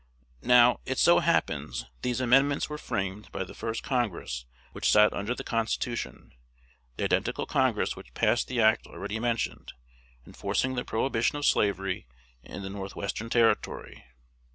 Now, it so happens that these amendments were framed by the first Congress which sat under the Constitution, the identical Congress which passed the act already mentioned, enforcing the prohibition of slavery in the North western Territory.